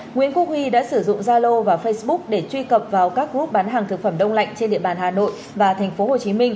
nguyễn quốc huy đã sử dụng zalo và facebook để truy cập vào các group bán hàng thực phẩm đông lạnh trên địa bàn hà nội và tp hcm